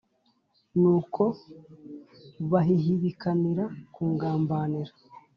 n’uko bahihibikanira kungambanira;